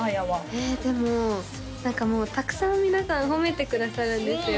えでも何かもうたくさん皆さん褒めてくださるんですよ